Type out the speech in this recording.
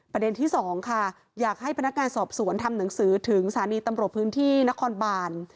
ประเด็นที่สองค่ะอยากให้พนักงานสอบสวนทำหนังสือถึงสถานีตำรวจพื้นที่นครบาน